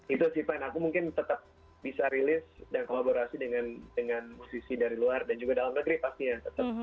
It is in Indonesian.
itu sih fan aku mungkin tetap bisa rilis dan kolaborasi dengan musisi dari luar dan juga dalam negeri pastinya